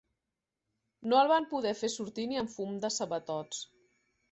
No el van poder fer sortir ni amb fum de sabatots.